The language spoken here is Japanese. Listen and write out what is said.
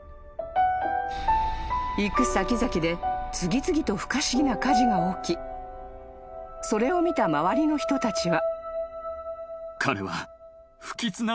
［行く先々で次々と不可思議な火事が起きそれを見た周りの人たちは］